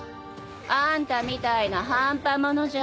あんたみたいな半端者じゃ